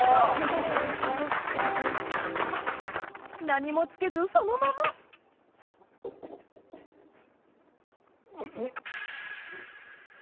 何も付けずそのままんっ！